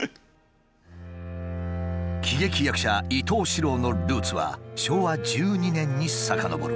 喜劇役者伊東四朗のルーツは昭和１２年に遡る。